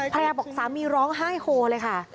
ภรรยาบอกสามีร้องไห้โฮเลยค่ะ